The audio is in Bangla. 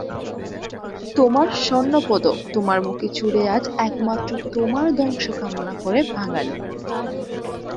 তোমার স্বর্ণপদক তোমার মুখে ছুঁড়ে আজ একমাত্র তোমার ধ্বংস কামনা করে বাঙালি।